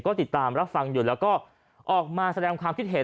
ก็ติดตามรับฟังอยู่แล้วก็ออกมาแสดงความคิดเห็น